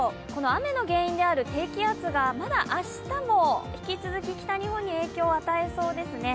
雨の原因である低気圧がまだ明日も引き続き北日本に影響を与えそうですね。